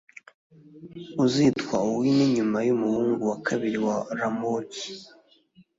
uzitwa 'owiny' nyuma yumuhungu wa kabiri wa ramogi